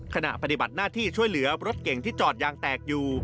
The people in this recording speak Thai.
ขณะปฏิบัติหน้าที่ช่วยเหลือรถเก่งที่จอดยางแตกอยู่